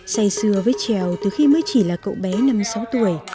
say xưa với trèo từ khi mới chỉ là cậu bé năm sáu tuổi